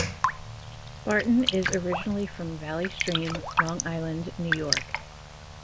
Barton is originally from Valley Stream, Long Island, New York.